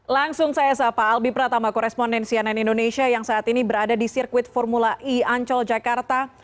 langsung saya sapa albi pratama korespondensi ann indonesia yang saat ini berada di sirkuit formula e ancol jakarta